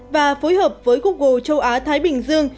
và phối hợp với google châu á thái bình dương